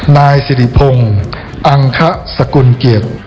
นายสิริพงศ์อังคสกุลเกียรติ